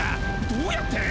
どうやって！？